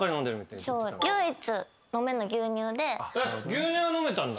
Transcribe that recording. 牛乳飲めたんだ。